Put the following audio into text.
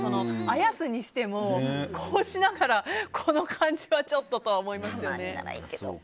あやすにしてもこうしながら、この感じはちょっととは思いますね。